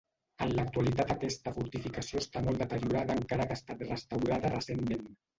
En l'actualitat aquesta fortificació està molt deteriorada encara que ha estat restaurada recentment.